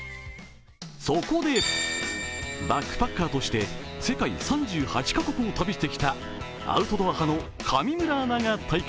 そこで、バックパッカーとして世界３８カ国を旅してきたアウトドア派の上村アナが体験。